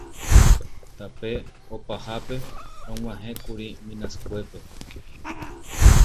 Tape opahápe rog̃uahẽkuri Minaskuépe.